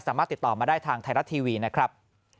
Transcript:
สามารถติดต่อมาได้ทางไทยรัฐทีวีนะครับ